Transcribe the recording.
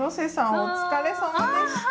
お疲れさまでした。